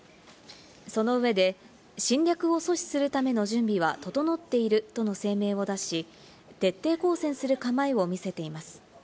その上で、侵略を阻止するための準備は整っているとの声明を出し、徹底抗戦する構えを見せています。